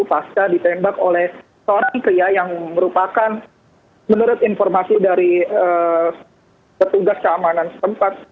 pasca ditembak oleh seorang pria yang merupakan menurut informasi dari petugas keamanan tempat